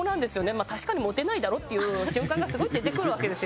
まあ確かにモテないだろっていう瞬間がすごい出てくるわけです